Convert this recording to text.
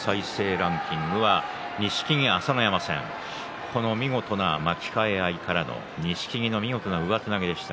ランキング錦木、朝乃山戦巻き替え合いからの錦木の上手投げでした。